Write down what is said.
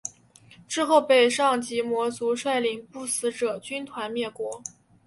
之后被上级魔族率领不死者军团灭国。